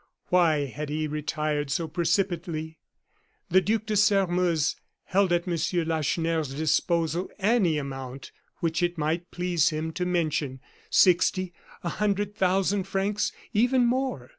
Why had he retired so precipitately? The Duc de Sairmeuse held at M. Lacheneur's disposal any amount which it might please him to mention sixty, a hundred thousand francs, even more.